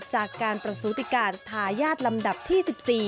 จากการประสูติการทายาทลำดับที่๑๔